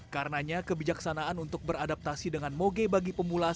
karenanya kebijaksanaan untuk beradaptasi dengan moge bagi pemulas